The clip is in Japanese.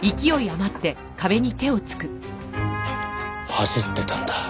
走ってたんだ。